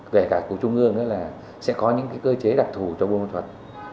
về cả của trung ương là sẽ có những cơ chế đặc thù cho buôn ma thuột